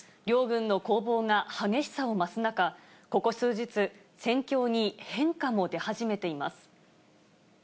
両軍の攻防が激しさを増す中、ここ数日、戦況に変化も出始めています。